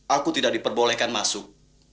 aku tidak diperbolehkan masuk